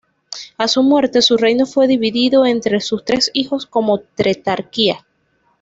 A su muerte su reino fue dividido entre sus tres hijos como tetrarquía.